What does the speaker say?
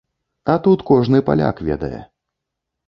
А тут кожны паляк ведае.